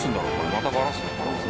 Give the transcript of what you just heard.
またバラすのかな。